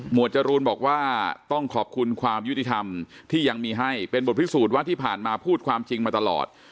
จรูนบอกว่าต้องขอบคุณความยุติธรรมที่ยังมีให้เป็นบทพิสูจน์ว่าที่ผ่านมาพูดความจริงมาตลอด